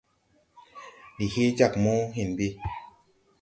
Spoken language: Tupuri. Ndi hee jag mo, hȩn ɓi.